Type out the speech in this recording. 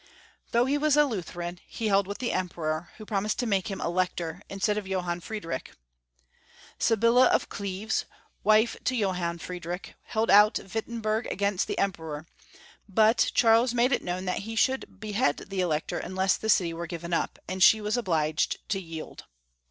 Though he was a Lutheran, he held with the Emperor, who promised to make him Elector instead of Johann CharleB V. 291 Friedrich. Sybilla of Cleves, wife to Johann Friedrich, held out Wittenberg against the Em peror, but Charles made it known that he should behead the Elector imless the city were given up, and she was obliged to yield.